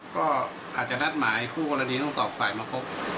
ก็อาจจะนัดหมายคู่กรณีทั้งสองฝ่ายมาพบ